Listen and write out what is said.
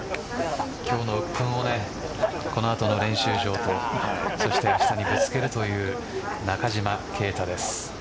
今日のうっぷんをこの後の練習場とそして明日にぶつけるという中島啓太です。